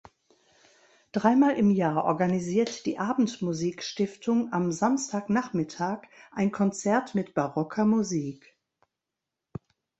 Dreimal im Jahr organisiert die Abendmusik-Stiftung am Samstagnachmittag ein Konzert mit barocker Musik.